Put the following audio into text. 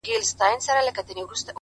هغه چي هيڅو نه لري په دې وطن کي~